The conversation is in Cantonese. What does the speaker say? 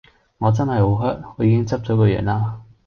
我真係好 hurt， 我已經執咗個樣啦!